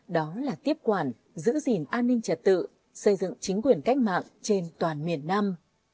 đó là tiếp quản giữ gìn an ninh trật tự xây dựng chính quyền cách mạng trên toàn miền nam